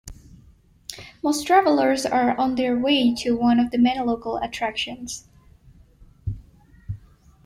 Most travelers are on their way to one of the many local attractions.